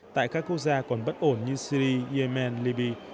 tại các quốc gia còn bất ổn như syri yemen libya